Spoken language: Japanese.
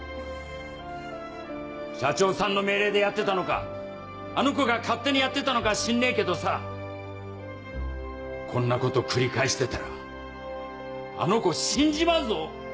社長さんの命令でやってたのかあの子が勝手にやってたのかは知んねえけどさこんなこと繰り返してたらあの子死んじまうぞ！